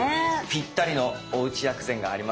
ぴったりのおうち薬膳があります。